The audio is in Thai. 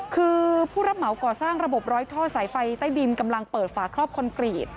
คือผู้รับเหมาก่อสร้างระบบร้อยท่อสายไฟใต้ดินกำลังเปิดฝาครอบคอนกรีต